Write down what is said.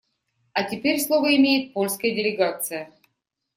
А теперь слово имеет польская делегация.